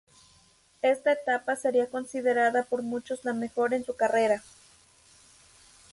Esta etapa sería considerada por muchos la mejor en su carrera.